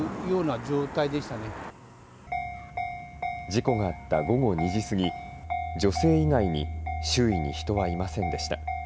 事故があった午後２時過ぎ、女性以外に周囲に人はいませんでした。